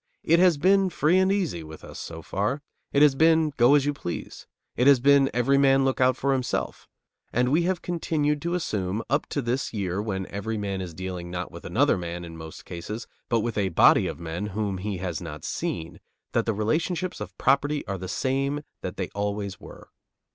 It has been free and easy with us so far; it has been go as you please; it has been every man look out for himself; and we have continued to assume, up to this year when every man is dealing, not with another man, in most cases, but with a body of men whom he has not seen, that the relationships of property are the same that they always were.